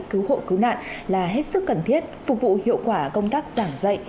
cứu hộ cứu nạn là hết sức cần thiết phục vụ hiệu quả công tác giảng dạy